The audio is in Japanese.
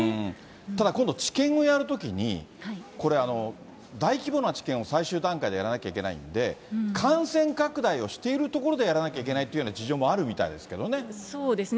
ただ今度、治験をやるときに、これ、大規模な治験を最終段階でやらなきゃいけないんで、感染拡大をしているとこでやらなきゃいけないっていうような事情そうですね。